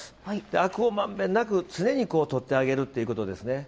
アクをまんべんなく常にとってあげるっていうことですね。